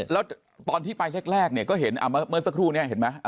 แล้วตอนที่ไปแรกเนี่ยก็เห็นเมื่อสักครู่นี้เห็นไหม